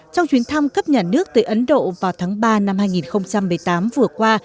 trong chuyến thăm cấp nhà nước tới ấn độ vào tháng ba năm hai nghìn một mươi tám vừa qua